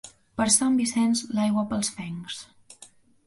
Per Sant Vicenç, l'aigua pels fencs.